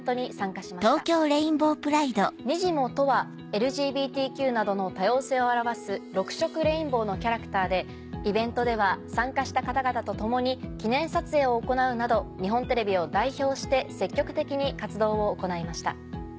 にじモとはＬＧＢＴＱなどの多様性を表す６色レインボーのキャラクターでイベントでは参加した方々と共に記念撮影を行うなど日本テレビを代表して積極的に活動を行いました。